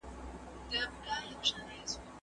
افغان استادان د خپلو اساسي حقونو دفاع نه سي کولای.